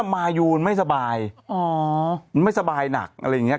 มายูนไม่สบายอ๋อไม่สบายหนักอะไรอย่างนี้